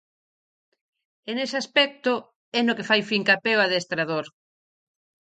E nese aspecto é no que fai fincapé o adestrador.